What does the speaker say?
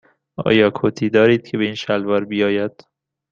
آیا کتی دارید که به این شلوار بیاید؟